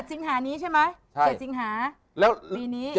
ก็๗สิงหานี้ใช่ไหม